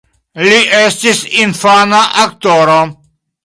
Li estis infana aktoro.